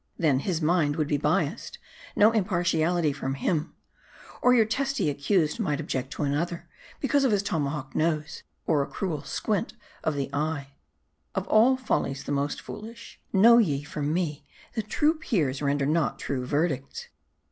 Then, his mind would be biased : no impartiality from him ! Or your testy accused might object to another, because of his tomahawk nose, or a cruel squint of the eye. " Of all follies the most foolish ! Know ye from me, that true peers render not true verdicts.